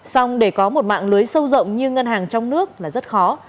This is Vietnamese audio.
xong để có một mạng lưới sâu rộng như ngân hàng trong nước là rất khó